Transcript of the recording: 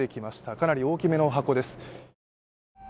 かなり大きめの箱です。